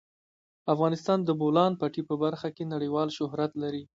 افغانستان د د بولان پټي په برخه کې نړیوال شهرت لري.